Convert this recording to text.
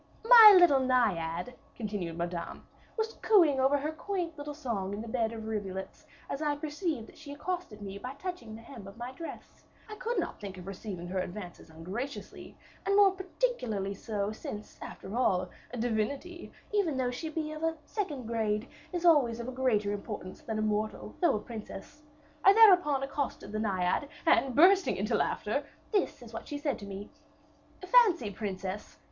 "My little Naiad," continued Madame, "was cooing over her quaint song in the bed of the rivulet; as I perceived that she accosted me by touching the hem of my dress, I could not think of receiving her advances ungraciously, and more particularly so, since, after all, a divinity, even though she be of a second grade, is always of greater importance than a mortal, though a princess. I thereupon accosted the Naiad, and bursting into laughter, this is what she said to me: "'Fancy, princess...